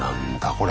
これ。